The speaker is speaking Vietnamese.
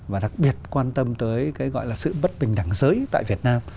và đặc biệt quan tâm tới cái gọi là sự bất bình đẳng giới tại việt nam